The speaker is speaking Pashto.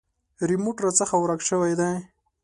ریموټ راڅخه ورک شوی دی .